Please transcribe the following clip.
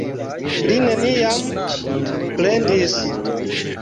Li neniam plendis.